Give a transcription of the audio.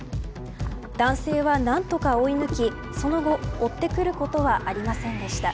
男性は何とか追い抜きその後、追ってくることはありませんでした。